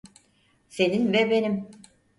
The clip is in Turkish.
Senin ve benim.